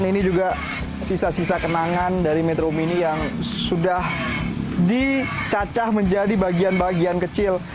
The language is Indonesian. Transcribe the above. ini juga sisa sisa kenangan dari metro mini yang sudah dicacah menjadi bagian bagian kecil